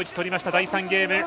第３ゲーム。